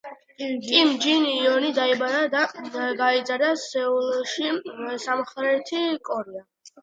კიმ ჯი იონი დაიბადა და გაიზარდა სეულში, სამხრეთი კორეა.